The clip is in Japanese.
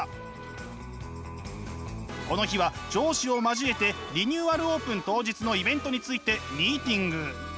この日は上司を交えてリニューアルオープン当日のイベントについてミーティング。